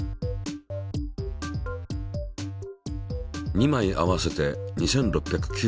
２枚合わせて２，６９６個。